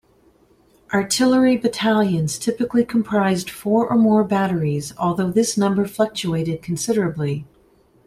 Artillery battalions typically comprised four or more batteries, although this number fluctuated considerably.